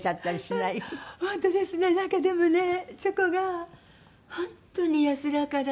なんかでもねチョコが本当に安らかで